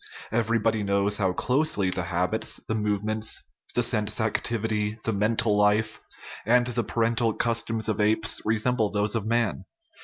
Everybody knows how closely the habits, the movements, the sense activity, the mental life, and the parental customs of apes resemble those of man.